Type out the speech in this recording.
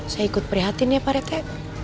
saya ikut prihatin ya pak rete